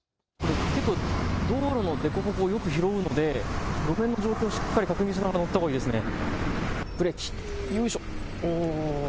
道路のでこぼこをよく拾うので路面の状況をしっかり確認してから乗ったほうがいいですね。